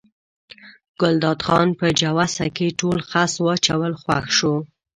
ګلداد خان په جوسه کې ټول خس واچول خوښ شو.